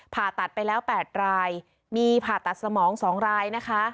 ผ่าตัดไปแล้ว๘รายมีผ่าตัดสมอง๒รายนะคะ